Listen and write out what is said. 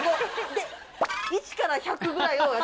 １から１００ぐらいを。